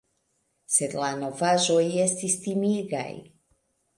Sed la novaĵoj estis timigaj.